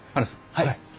はい。